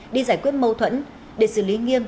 đi giải quyết mâu thuẫn để xử lý nghiêm